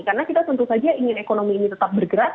karena kita tentu saja ingin ekonomi ini tetap bergerak